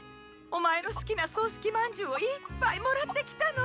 お前の好きな葬式まんじゅうをいっぱいもらってきたのよ。